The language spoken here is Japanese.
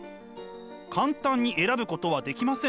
簡単に選ぶことはできません。